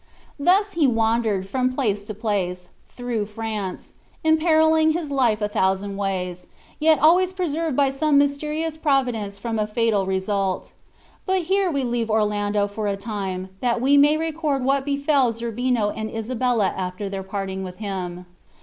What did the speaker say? Thus he wandered, from place to place, through France, imperilling his life a thousand ways, yet always preserved by some mysterious providence from a fatal result. But here we leave Orlando for a time, that we may record what befell Zerbino and Isabella after their parting with him.